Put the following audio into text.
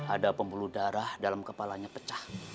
ada pembuluh darah dalam kepalanya pecah